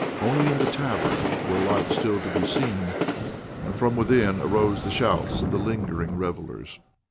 Only in the tavern were lights still to be seen, and from within arose the shouts of the lingering revellers.